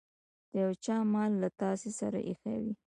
د يو چا مال له تاسې سره ايښی وي.